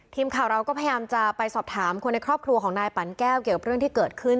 ทีมข่าวเราก็พยายามจะไปสอบถามคนในครอบครัวของนายปั่นแก้วเกี่ยวกับเรื่องที่เกิดขึ้น